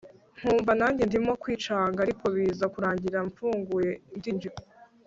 nkumva nanjye ndimo kwicanga ariko biza kurangira mfunguye ndinjira